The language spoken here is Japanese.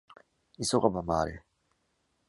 急がば回れ。